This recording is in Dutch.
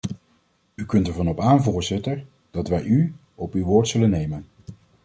U kunt ervan op aan, voorzitter, dat wij u op uw woord zullen nemen.